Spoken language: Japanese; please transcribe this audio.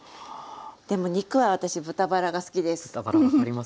でも肉は私豚バラが好きです。